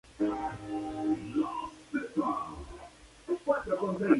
Además la ciudad dictó su Carta Orgánica.